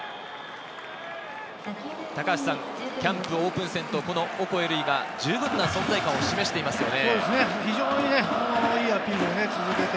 キャンプ、オープン戦とオコエ瑠偉がじゅうぶんな存在感を示していますね。